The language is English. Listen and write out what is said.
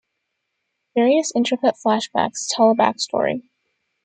Various intercut flashbacks tell a backstory.